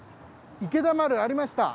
池田丸ありました。